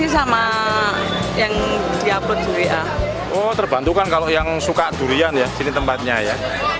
saya suka durian ya sini tempatnya ya